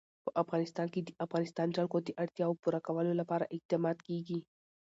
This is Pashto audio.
په افغانستان کې د د افغانستان جلکو د اړتیاوو پوره کولو لپاره اقدامات کېږي.